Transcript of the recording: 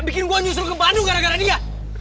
bikin gue nyusul ke bandung gara gara dia